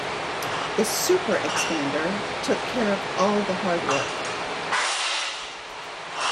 The "Super Expander" took care of all the hard work.